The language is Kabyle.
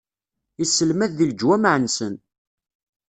Isselmad di leǧwameɛ-nsen.